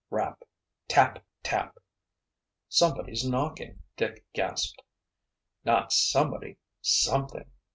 Rap—tap—tap! "Somebody's knocking," Dick gasped. "Not somebody—something!"